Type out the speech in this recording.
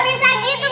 biar kita aja gitu